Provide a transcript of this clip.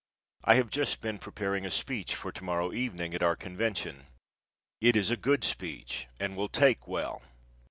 I have just been preparing a speech for to morrow evening at our convention. It is a good speech and will take well.